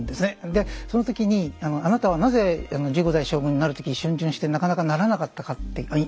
でその時に「あなたはなぜ１５代将軍になる時逡巡してなかなかならなかったか」っていうインタビューがある。